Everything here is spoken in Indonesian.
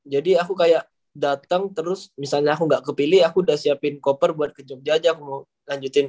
jadi aku kayak datang terus misalnya aku gak kepilih aku udah siapin koper buat ke jogja aja aku mau lanjutin